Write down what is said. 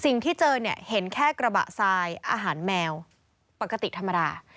เจอเนี่ยเห็นแค่กระบะทรายอาหารแมวปกติธรรมดา